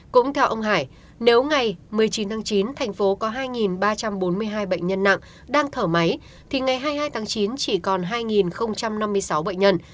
cũng theo ông hải nếu ngày một mươi chín tháng chín thành phố có hai ba trăm bốn mươi hai bệnh nhân nặng đang thở máy thì ngày hai mươi hai tháng chín chỉ còn hai năm mươi sáu bệnh nhân